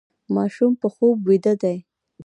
ماشوم په خوب ویده دی.